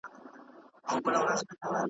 نعمتونه که یې هر څومره ډیریږي .